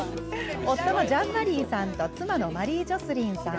夫のジャン＝マリーさんと妻のマリー＝ジョスリンさん。